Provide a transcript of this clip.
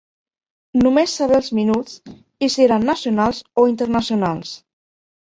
Només saber els minuts, i si eren nacionals o internacionals.